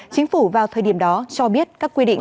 chính phủ vào thời điểm đó cho biết các quy định